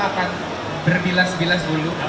akan berbilas bilas dulu